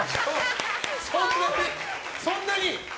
そんなに？